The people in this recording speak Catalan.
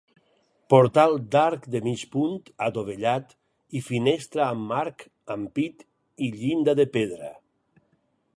Portal d'arc de mig punt adovellat i finestra amb marc, ampit i llinda de pedra.